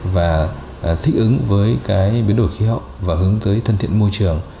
và thích ứng với cái biến đổi khí hậu và hướng tới thân thiện môi trường